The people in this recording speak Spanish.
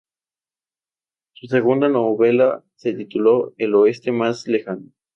Su segunda novela se tituló "El oeste más lejano".